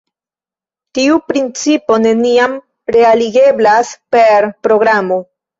Tiu principo neniam realigeblas per programo.